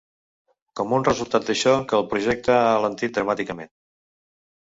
Com un resultat d'això que el projecte ha alentit dramàticament.